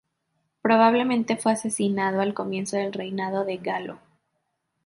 Probablemente fue asesinado al comienzo del reinado de Galo.